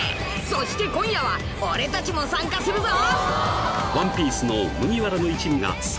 そして今夜は俺たちも参加するぞ！